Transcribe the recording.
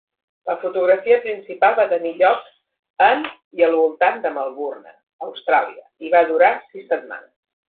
La fotografia principal va tenir lloc en i al voltant de Melbourne, Austràlia, i va durar sis setmanes.